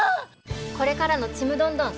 これからの「ちむどんどん」